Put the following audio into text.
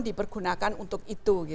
dipergunakan untuk itu